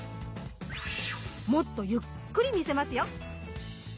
もっとゆっくり見せますよ！